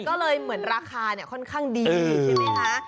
ก็เลยเหมือนราคาเนี่ยค่อนข้างดีใช่ไหมคะ